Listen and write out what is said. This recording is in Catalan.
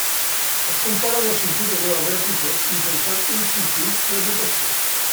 Es comparen les sortides de les rèpliques mitjançant un circuit de votació.